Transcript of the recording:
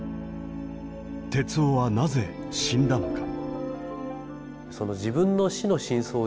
徹生はなぜ死んだのか。